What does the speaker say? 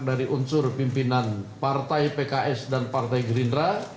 dari unsur pimpinan partai pks dan partai gerindra